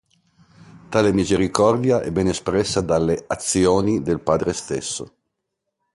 Tale misericordia è ben espressa dalle "azioni" del padre stesso.